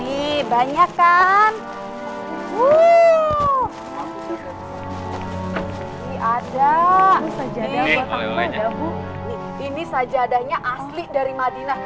ini buat kamu nih bu ada lagi tenang tenang mas bajak